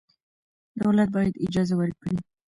دولت باید اجازه ورکړي.